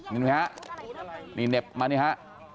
นี่เหรอครับนี่เน็บมานี่ครับ